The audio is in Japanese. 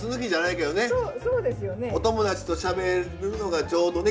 お友達としゃべるのがちょうどね